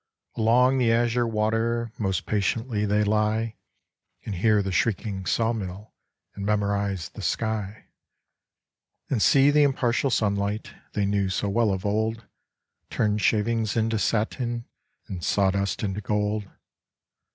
Along the azure water Most patiently they lie, And hear the shrieking saw mill And memorize the sky, And see the impartial sunlight They knew so well of old, Turn shavings into satin And saw dust into gold.